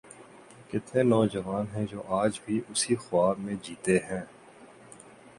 کتنے نوجوان ہیں جو آج بھی اسی خواب میں جیتے ہیں۔